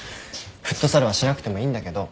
フットサルはしなくてもいいんだけど。